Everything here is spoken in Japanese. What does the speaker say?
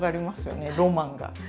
ロマンが。